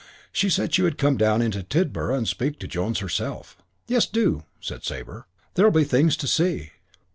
She said she would come down into Tidborough and speak to Jones herself. "Yes, do," said Sabre. "There'll be things to see."